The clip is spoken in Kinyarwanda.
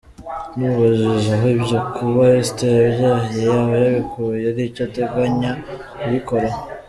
Tumubajije aho ibyo kuba Esther yabyaye yaba yabikuye, nicyo ateganya kubikoraho.